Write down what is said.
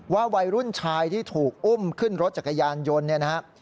วัยรุ่นชายที่ถูกอุ้มขึ้นรถจักรยานยนต์เนี่ยนะครับ